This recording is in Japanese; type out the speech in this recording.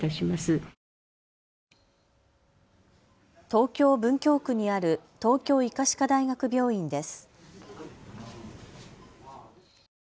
東京文京区にある東京医科歯科大学病院です。